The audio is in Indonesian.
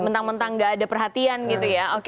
mentang mentang gak ada perhatian gitu ya